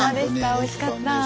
おいしかった。